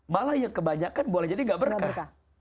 malah yang kebanyakan boleh jadi gak berkah